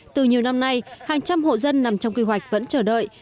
từ nhiều năm nay hàng trăm hộ dân nằm trong kế hoạch vẫn chờ đợi